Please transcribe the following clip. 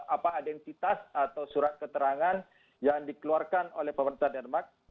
apa identitas atau surat keterangan yang dikeluarkan oleh pemerintah denmark